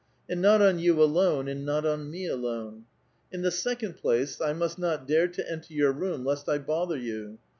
and not on vou alone, and not on me alone. lu the second place, 1 must not dare to enter your room lest I bother you.